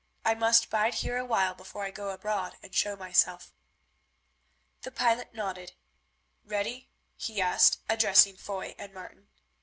I must bide here a while before I go abroad and show myself." The pilot nodded. "Ready?" he asked, addressing Foy and Martin.